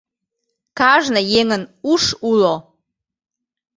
Кажне еҥын уш уло.